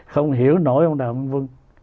không hiểu nổi ông đàm vân